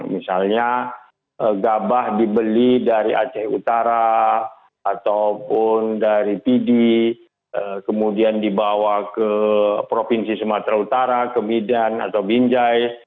misalnya gabah dibeli dari aceh utara ataupun dari pidi kemudian dibawa ke provinsi sumatera utara ke bidan atau binjai